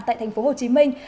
tại thành phố hồ chí minh